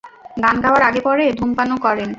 গান গাওয়ার আগে পরে ধূমপানও করেন।